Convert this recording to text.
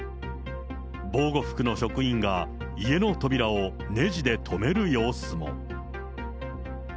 防護服の職員が家の扉をねじで留める様子も。